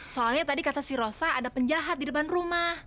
soalnya tadi kata si rosa ada penjahat di depan rumah